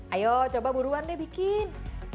ayo coba buruan deh bikin